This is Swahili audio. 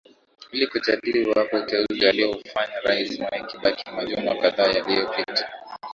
ili kujadili iwapo uteuzi alioufanya rais mwai kibaki majuma kadhaa yaliopita